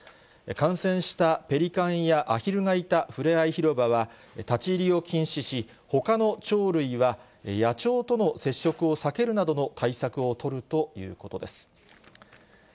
感染したペリカンやアヒルがいたふれあい広場は、立ち入りを禁止し、ほかの鳥類は、野鳥との接触を避けるなどの対策を取るということです。